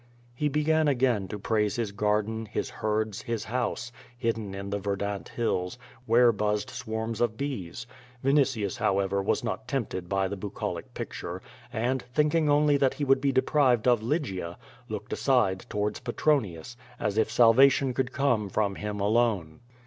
He began again to praise his garden, his herds, his house, hidden in the verdant hills, where buzzed swarms of bees. Vinitius, however, was not tempted by the bucolic picture, and, thinking only that he would be deprived of Lygia, looked aside towards Petronius, as if salvation could come from him alone.